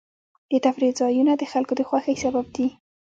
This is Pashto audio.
د تفریح ځایونه د خلکو د خوښۍ سبب دي.